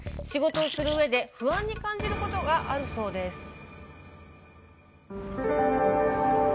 仕事をするうえで不安に感じることがあるそうです。